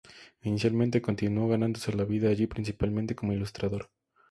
Inicialmente, continuó ganándose la vida allí principalmente como ilustrador.